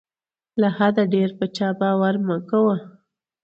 له حده ډېر په چا باور مه کوه.